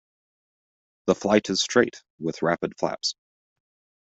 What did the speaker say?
The flight is straight, with rapid flaps.